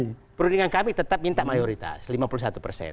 di perundingan kami tetap minta mayoritas